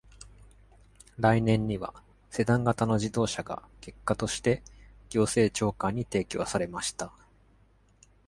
来年には、セダン型の自動車が結果として、行政長官に提供されました。